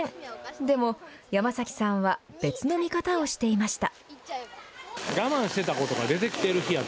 でも山崎さんは別の見方をしていました。